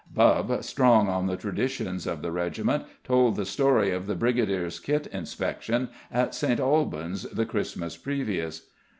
Bubb, strong on the traditions of the regiment, told the story of the Brigadier's kit inspection at St. Albans the Christmas previous.